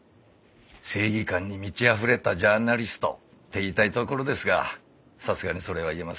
正義感に満ちあふれたジャーナリストって言いたいところですがさすがにそれは言えませんね。